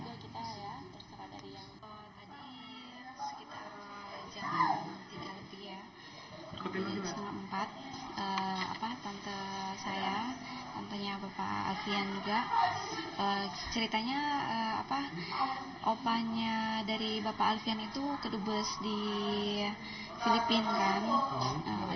tante saya tantenya bapak alfian juga ceritanya opanya dari bapak alfian itu kedubes di filipina kan